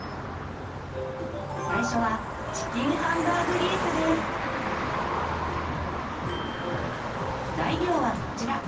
最初は材料はこちら。